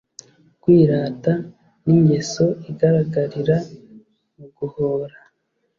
kwirata ni ingeso igaragarira mu guhora